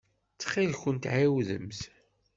Ttxil-kent ɛiwdemt.